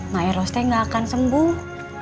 ma'eros teh nggak akan sembuh